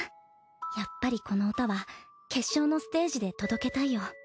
やっぱりこの歌は決勝のステージで届けたいよ。